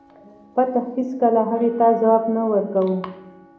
بت هیڅکله هغه ته ځواب نه ورکاو.